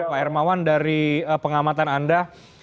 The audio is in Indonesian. pak hermawan dari pengamatan anda